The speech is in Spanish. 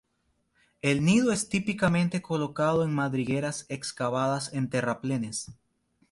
El nido es típicamente colocado en madrigueras excavadas en terraplenes.